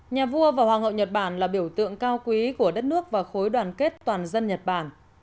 nhà vua và hoàng hậu nhật bản là biểu tượng cao quý của đất nước và khối đoàn kết toàn dân nhật bản